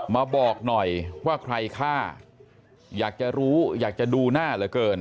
บอกหน่อยว่าใครฆ่าอยากจะรู้อยากจะดูหน้าเหลือเกิน